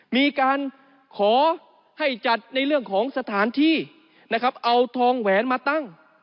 มีการขอให้จัดในเรื่องของสถานที่นะครับเอาทองแหวนมาตั้ง